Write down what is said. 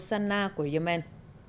sana của yemen